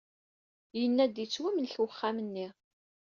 Yenna-d yettwamlek wexxam-nni.